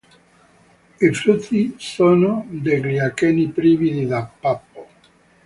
I frutti sono degli acheni privi di pappo.